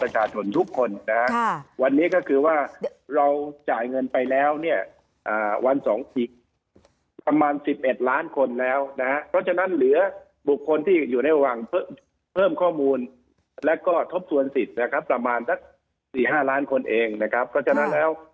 ล้านคนแล้วนะฮะเพราะฉะนั้นเหลือบุคคลที่อยู่ในวังเพิ่มข้อมูลแล้วก็ทบส่วนสิทธิ์นะครับประมาณสักสี่ห้าล้านคนเองนะครับเพราะฉะนั้นแล้ว